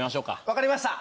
わかりました！